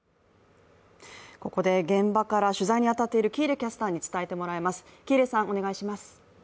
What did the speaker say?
現場から取材に当たっている喜入キャスターに伝えてもらいます。